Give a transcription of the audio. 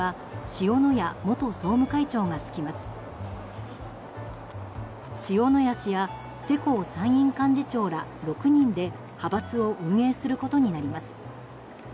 塩谷氏や世耕参院幹事長ら６人で派閥を運営することになります。